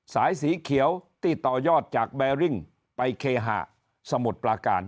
สายสีเขียวที่ต่อยอดจากแบริ่งไปเคหะสมุทรปลาการ